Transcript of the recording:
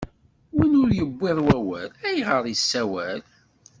Win ur iwwiḍ wawal, ayɣeṛ issawal?